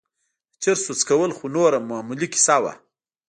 د چرسو څکول خو نوره معمولي کيسه وه.